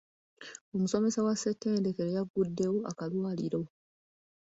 Omusomesa wa ssettendekero yagguddewo akalwaliro.